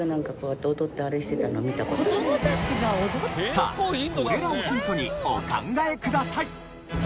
さあこれらをヒントにお考えください。